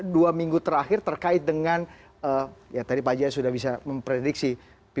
dua minggu terakhir terkait dengan eh ya tadi pajak sudah bisa memprediksi people power tadi